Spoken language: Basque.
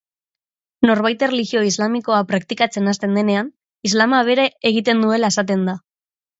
Norbait erlijio islamikoa praktikatzen hasten denean, islama bere egiten duela esaten da.